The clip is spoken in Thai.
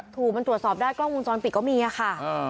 ถูกมันตรวจสอบได้กล้องวงจรปิดก็มีค่ะ